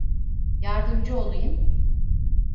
Yardımcı olayım.